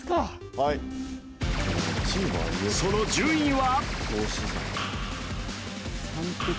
はいその順位は？